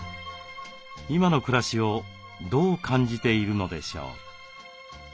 今の暮らしをどう感じているのでしょう？